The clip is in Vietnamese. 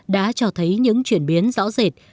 đã cho thấy những chuyển biến rõ rệt